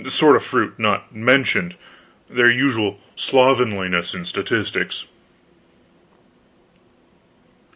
Sort of fruit not mentioned; their usual slovenliness in statistics.